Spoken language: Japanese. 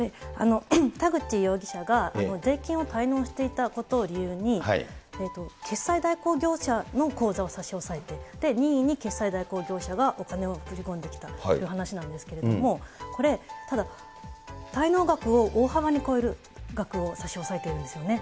田口容疑者が税金を滞納していたことを理由に、決済代行業者の口座を差し押さえて、任意に決済代行業者がお金を振り込んできたという話なんですけれども、これ、ただ、滞納額を大幅に超える額を差し押さえているんですよね。